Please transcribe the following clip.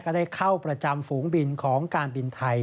ได้เข้าประจำฝูงบินของการบินไทย